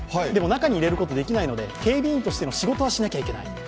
でも中に入れることはできないので警備員としての仕事はしなければいけない。